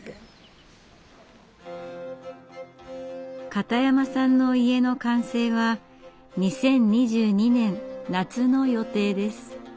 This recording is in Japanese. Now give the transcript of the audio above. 片山さんの家の完成は２０２２年夏の予定です。